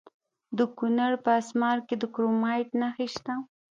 د کونړ په اسمار کې د کرومایټ نښې شته.